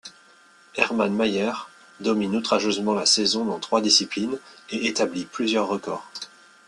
Hermann Maier domine outrageusement la saison dans trois disciplines et établit plusieurs records.